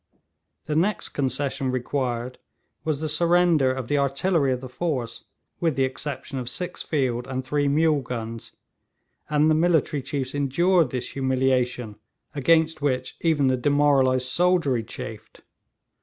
The next concession required was the surrender of the artillery of the force, with the exception of six field and three mule guns; and the military chiefs endured this humiliation, against which even the demoralised soldiery chafed.